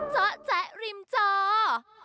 เจาะแจ๊ะริมเจาะ